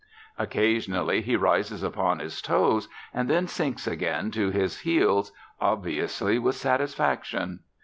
Occasionally he rises upon his toes, and then sinks again to his heels obviously with satisfaction.